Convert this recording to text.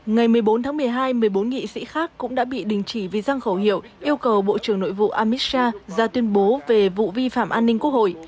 ngày một mươi bốn tháng một mươi hai một mươi bốn nghị sĩ khác cũng đã bị đình chỉ vì răng khẩu hiệu yêu cầu bộ trưởng nội vụ amisa ra tuyên bố về vụ vi phạm an ninh quốc hội